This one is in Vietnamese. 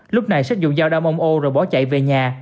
lúc này xết dùng dao đâm ông âu rồi bỏ chạy về nhà